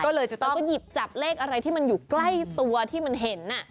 ก็หยิบจับเลขอะไรที่มันอยู่ใกล้ตัวที่มันเห็น